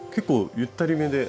ゆったりめです。